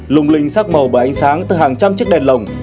lùng linh sắc màu bờ ánh sáng từ hàng trăm chiếc đèn lồng